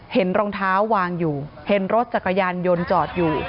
เห็นรองเท้าวางอยู่เห็นรถจักรยานยนต์จอดอยู่